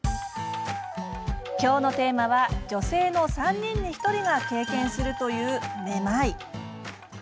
今日のテーマは、女性の３人に１人が経験するというめまい。